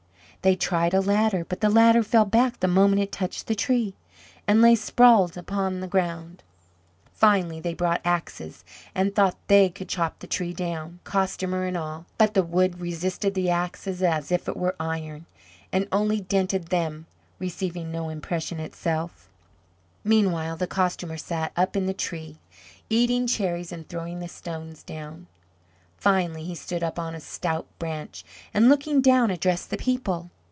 They tried a ladder, but the ladder fell back the moment it touched the tree, and lay sprawling upon the ground. Finally, they brought axes and thought they could chop the tree down, Costumer and all; but the wood resisted the axes as if it were iron, and only dented them, receiving no impression itself. Meanwhile, the Costumer sat up in the tree, eating cherries and throwing the stones down. Finally he stood up on a stout branch, and, looking down, addressed the people.